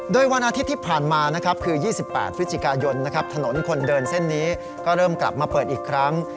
โดยวันอาทิตย์ที่ผ่านมานะครับคือ๒๘พฤศจิกายนถนนคนเดินเส้นนี้ก็เริ่มกลับมาเปิดอีกครั้ง